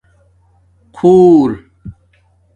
خݸر